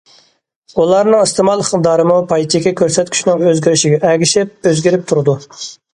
ئۇلارنىڭ ئىستېمال ئىقتىدارىمۇ پاي چېكى كۆرسەتكۈچىنىڭ ئۆزگىرىشىگە ئەگىشىپ ئۆزگىرىپ تۇرىدۇ.